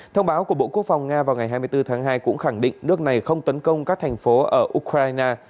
thông báo của bộ quốc phòng nga vào ngày hai mươi bốn tháng hai cũng khẳng định nước này không tấn công các thành phố ở ukraine